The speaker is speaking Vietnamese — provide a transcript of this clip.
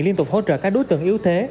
liên tục hỗ trợ các đối tượng yếu thế